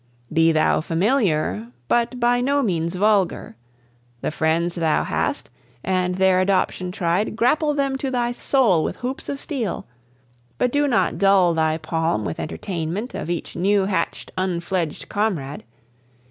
Be thou familiar, but by no means vulgar: The friends thou hast, and their adoption tried, Grapple them to thy soul with hoops of steel; But do not dull thy palm with entertainment Of each new hatch'd, unfledg'd comrade.